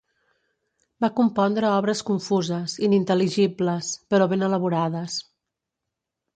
Va compondre obres confuses, inintel·ligibles, però ben elaborades.